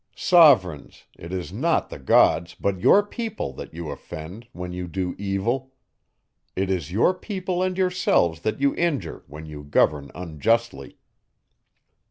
Sovereigns! It is not the gods, but your people, that you offend, when you do evil. It is your people and yourselves that you injure, when you govern unjustly.